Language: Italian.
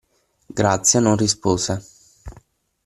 Grazia non rispose.